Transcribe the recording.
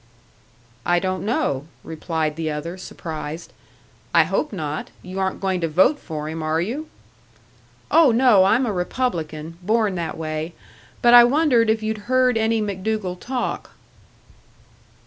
"I don't know," replied the other, surprised. "I hope not. You aren't going to vote for him, are you?" "Oh, no. I'm a Republican born that way. But I wondered if you'd heard any MacDougall talk."